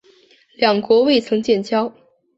两国未曾建交。